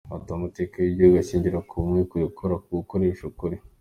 Ati “Amateka y’igihugu ashingira ku bumwe, ku gukora, ku gukoresha ukuri.